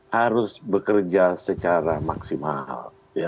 harus bekerja secara maksimal